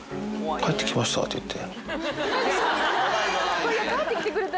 帰ってきましたって言って。